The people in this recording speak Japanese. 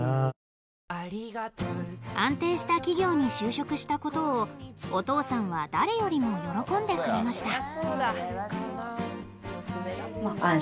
安定した企業に就職したことをお父さんは誰よりも喜んでくれました。